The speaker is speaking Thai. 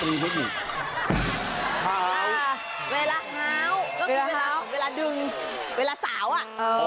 เวลาง้าวก็คือเวลาดึงเวลาสาวอ่ะ